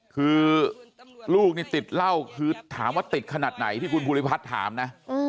คือลูกนี่ติดเหล้าคือถามว่าติดขนาดไหนที่คุณภูริพัฒน์ถามนะ